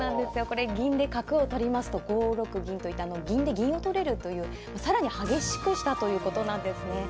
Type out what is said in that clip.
これ銀で角を取りますと５六銀といたのを銀で銀を取れるという更に激しくしたということなんですね。